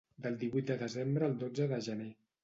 Del divuit de desembre al dotze de gener.